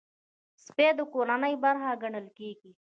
سپي د کورنۍ برخه ګڼل کېږي.